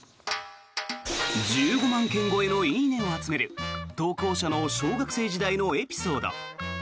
１５万件超えの「いいね」を集める投稿者の小学生時代のエピソード。